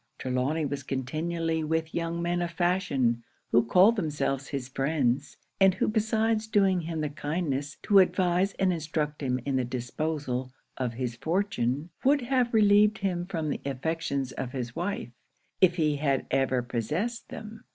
Trelawny was continually with young men of fashion, who called themselves his friends; and who besides doing him the kindness to advise and instruct him in the disposal of his fortune, would have relieved him from the affections of his wife, if he had ever possessed them.